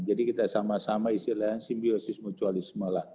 jadi kita sama sama istilahnya simbiosis mutualisme lah